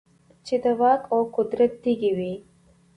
چـې د واک او قـدرت تـېږي وي .